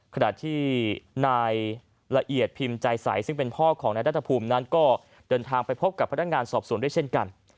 ขณะที่นายละเอียดพิมพ์ใจใสซึ่งเป็นพ่อของนายรัฐภูมินั้นก็เดินทางไปพบกับพนักงานสอบสวนด้วยเช่นกัน